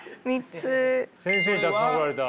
「先生にたくさんおこられた」。